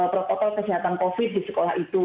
protokol kesehatan covid di sekolah itu